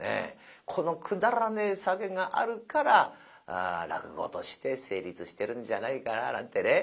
このくだらねえサゲがあるから落語として成立してるんじゃないかななんてね